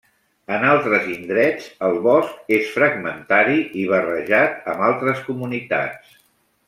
En altres indrets el bosc és fragmentari i barrejat amb altres comunitats.